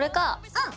うん！